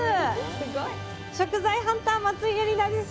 食材ハンター松井絵里奈です。